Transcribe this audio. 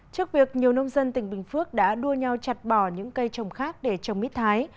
trước việc nhiều nông dân tỉnh bình phước đã đua nhau chặt bỏ những cây trồng khác để trồng mít thái